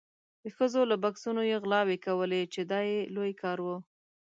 د ښځو له بکسونو یې غلاوې کولې چې دا یې لوی کار و.